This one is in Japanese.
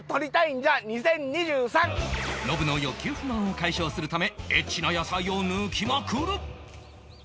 ノブの欲求不満を解消するためエッチな野菜を抜きまくる！